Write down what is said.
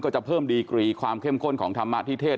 จะเพิ่มดีกรีความเข้มข้นของธรรมะทิเทศ